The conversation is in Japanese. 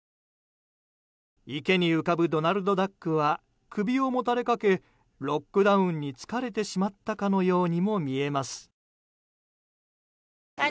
池に浮かぶドナルドダックは首をもたれかけロックダウンに疲れてしまったかのようにも見えます。